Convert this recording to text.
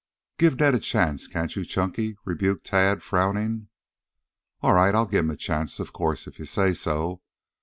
"Give Ned a chance, can't you, Chunky?" rebuked Tad, frowning. "All right, I'll give him a chance, of course, if you say so.